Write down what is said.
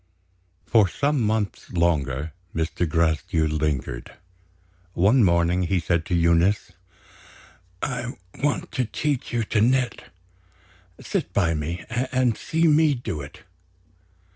For some months longer, Mr. Gracedieu lingered. One morning, he said to Eunice: "I want to teach you to knit. Sit by me, and see me do it."